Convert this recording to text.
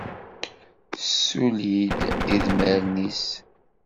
Tessuli-d idmaren-nnes.